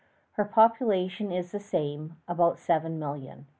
Her population is the same, about seven million.